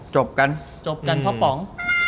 จบกันจบกันพ่อป๋อง